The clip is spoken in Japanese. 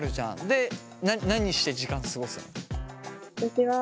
で何して時間過ごすの？